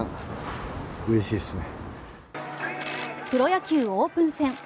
プロ野球オープン戦